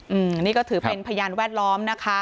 อืมนี่ก็ถือเป็นพยานแวดล้อมนะคะ